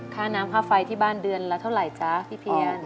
ค่าน้ำค่าไฟที่บ้านเดือนละเท่าไหร่จ๊ะพี่เพียน